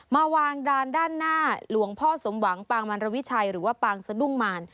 มาวางดานด้านหน้าหลวงพ่อสมหวังปางมันรวิชัยหรือว่าปางสะดุ้งมาร